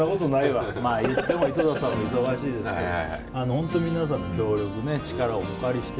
言っても井戸田さんも忙しいですけど本当に皆さんの協力力をお借りして。